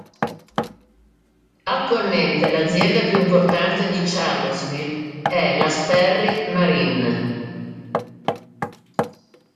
Attualmente l'azienda più importante di Charlottesville è la "Sperry Marine".